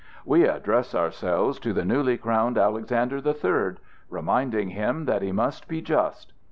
"We address ourselves to the newly crowned Alexander the Third, reminding him that he must be just.